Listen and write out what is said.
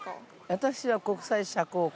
私は国際社交家。